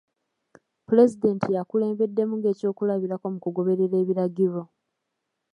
Pulezidenti y'akulembeddemu ng'ekyokulabirako mu kugoberera ebiragro.